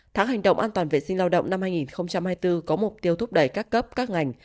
tháng hành động an toàn vệ sinh lao động năm hai nghìn hai mươi bốn có mục tiêu thúc đẩy các cấp các ngành